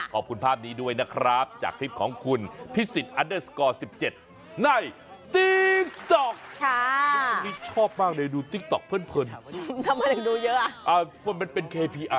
ขอบคุณภาพนี้ด้วยนะครับจากคลิปของคุณพิสิทธิอันเดอร์สกอร์๑๗ในติ๊กต๊อกค่ะ